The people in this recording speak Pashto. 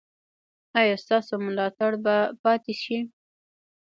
ایا ستاسو ملاتړ به پاتې شي؟